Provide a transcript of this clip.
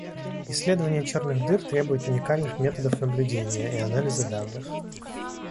Исследование черных дыр требует уникальных методов наблюдения и анализа данных.